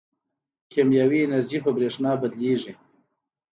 کیمیاوي انرژي په برېښنا بدلېږي.